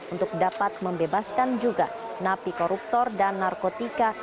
untuk dapat membebaskan juga napi koruptor dan narkotika